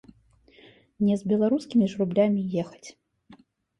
Не з беларускімі ж рублямі ехаць!